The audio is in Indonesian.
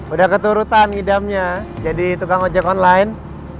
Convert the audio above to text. udah keturutan idamnya jadi tukang ojek online